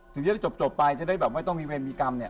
ถึงจะได้จบไปจะได้แบบไม่ต้องมีเวรมีกรรมเนี่ย